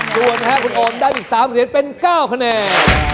ส่วนนะครับคุณโอมได้อีก๓เหรียญเป็น๙คะแนน